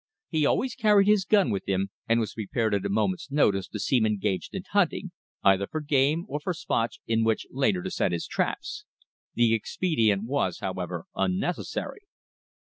He always carried his gun with him, and was prepared at a moment's notice to seem engaged in hunting, either for game or for spots in which later to set his traps. The expedient was, however, unnecessary.